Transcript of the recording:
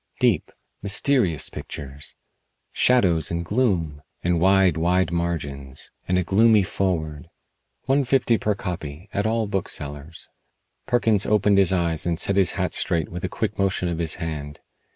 Deep, mysterious pictures! Shadows and gloom! And wide, wide margins. And a gloomy foreword. One fifty per copy, at all booksellers." Perkins opened his eyes and set his hat straight with a quick motion of his hand.